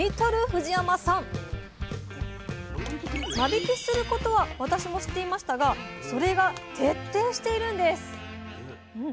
間引きをすることは私も知っていましたがそれが徹底しているんです！